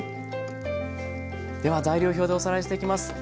では材料表でおさらいしていきます。